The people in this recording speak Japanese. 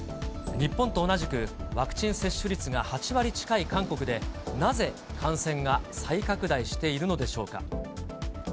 日本と同じく、ワクチン接種率が８割近い韓国で、なぜ感染が再拡大しているのでしょうか。